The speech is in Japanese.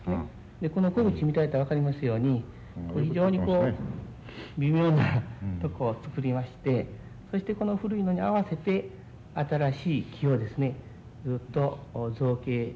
でこの木口見られたら分かりますように非常にこう微妙なとこを作りましてそしてこの古いのに合わせて新しい木をですねずっと造形してですね